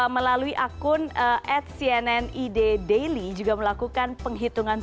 melalui akun atcnniddaily juga melakukan penghitungan